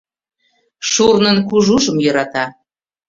Шурнын кужужым йӧрата.